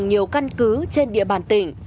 nhiều căn cứ trên địa bàn tỉnh